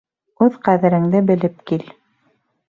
Үҙ ҡәҙереңде белеп кил.